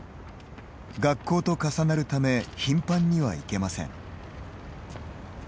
学校と重なるため頻繁には行けません。